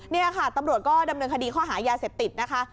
นี่ค่ะตำรวจก็ดำเนินคดีข้อหายาเสพติดนะคะ